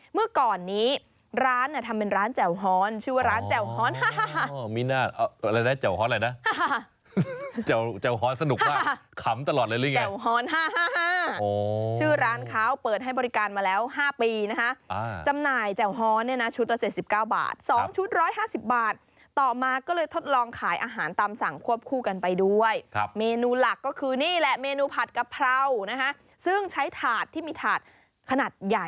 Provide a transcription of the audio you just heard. เมื่อก่อนนี้ร้านทำเป็นร้านแจ่วฮรณ์ชื่อว่าร้านแจ่วฮรณ์ฮ่าฮ่าฮ่าฮ่าฮ่าฮ่าฮ่าฮ่าฮ่าฮ่าฮ่าฮ่าฮ่าฮ่าฮ่าฮ่าฮ่าฮ่าฮ่าฮ่าฮ่าฮ่าฮ่าฮ่าฮ่า